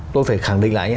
tôi phải khẳng định lại nhé